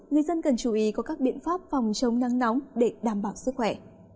người dân cần chú ý có các biện pháp phòng chống nắng nóng để đảm bảo sức khỏe